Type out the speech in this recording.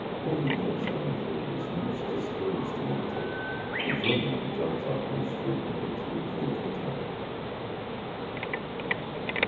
Over these our employer is most disposed to meditate, and from them he darts off most frequently to improve the type.